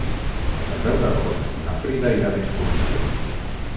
El deu d'agost na Frida irà d'excursió.